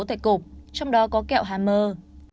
tại cục trong đó có kẹo hammer